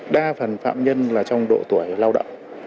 đa phần phạm nhân là trong độ tuổi lao động